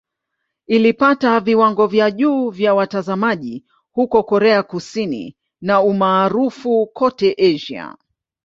Ilipata viwango vya juu vya watazamaji huko Korea Kusini na umaarufu kote Asia.